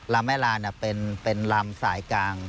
แม่ลานเป็นลำสายกลาง